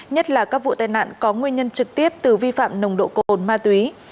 nhất là các vụ tai nạn có nguyên nhân trực tiếp từ vi phạm nồng độ cồn ma túy